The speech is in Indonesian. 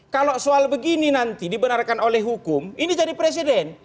kalau soal begini nanti dibenarkan oleh hukum ini jadi presiden